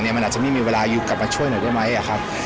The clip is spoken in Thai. มันอาจจะไม่มีเวลาอยู่กลับมาช่วยหนูได้ไหมครับ